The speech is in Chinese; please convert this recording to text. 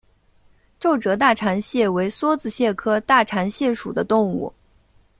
皱褶大蟾蟹为梭子蟹科大蟾蟹属的动物。